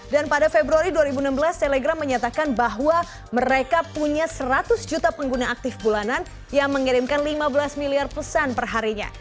dan pada februari dua ribu enam belas telegram menyatakan bahwa mereka punya seratus juta pengguna aktif bulanan yang mengirimkan lima belas miliar pesan perharinya